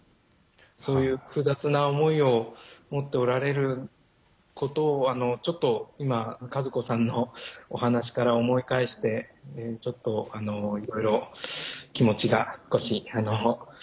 そういう複雑な思いを持っておられることをちょっと今和子さんのお話から思い返してちょっといろいろ気持ちが少しじんときました。